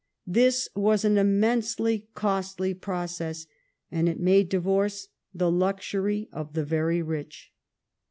This was an im mensely costly process, and it made divorce the luxury of the very rich.